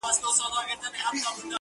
اې ښكلي پاچا سومه چي ستا سومه~